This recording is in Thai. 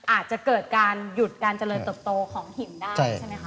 อาจจะเกิดการหยุดการเจริญเติบโตของหินได้ใช่ไหมคะ